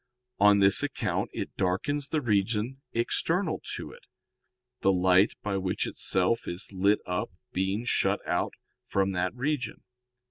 On this account it darkens the region external to it, the light by which itself is lit up being shut out from that region."